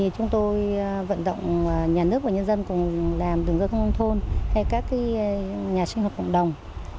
chúng tôi vận động nhà nước và nhân dân cùng làm đường giao thông nông thôn hay các nhà sinh hợp cộng đồng